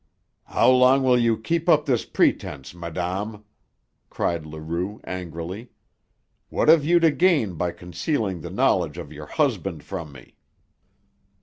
"How long will you keep up this pretense, madame?" cried Leroux angrily. "What have you to gain by concealing the knowledge of your husband from me?"